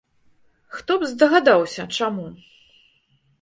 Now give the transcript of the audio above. Хто б здагадаўся, чаму.